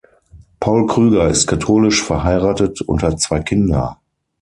Paul Krüger ist katholisch, verheiratet und hat zwei Kinder.